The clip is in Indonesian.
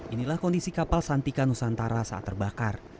inilah kondisi kapal santika nusantara saat terbakar